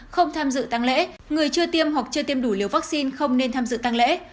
không tham dự tăng lễ người chưa tiêm hoặc chưa tiêm đủ liều vaccine không nên tham dự tăng lễ